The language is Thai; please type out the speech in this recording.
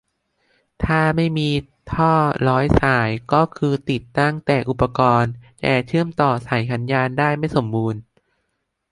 ถ้าไม่มีท่อร้อยสาย ก็คือติดตั้งแต่อุปกรณ์ แต่เชื่อมต่อสายสัญญาณได้ไม่สมบูรณ์